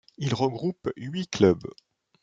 Il regroupe huit clubs.